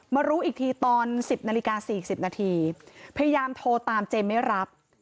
รู้อีกทีตอน๑๐นาฬิกา๔๐นาทีพยายามโทรตามเจมส์ไม่รับ